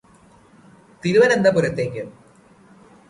തിരുവനന്തപുരത്തേക്ക്